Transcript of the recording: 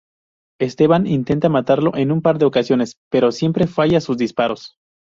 Esteban intenta matarlo en un par de ocasiones pero siempre falla sus disparos.